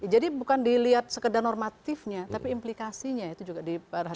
jadi bukan dilihat sekedar normatifnya tapi implikasinya itu juga diperhatikan